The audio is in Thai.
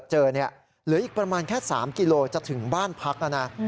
เหลืออีกประมาณแค่๓กิโลจะถึงบ้านพักแล้วนะ